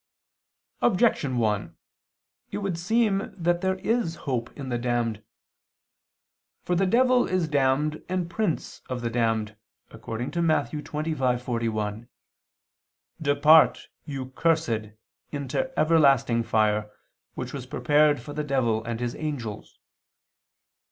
Objection 1: It would seem that there is hope in the damned. For the devil is damned and prince of the damned, according to Matt. 25:41: "Depart ... you cursed, into everlasting fire, which was prepared for the devil and his angels."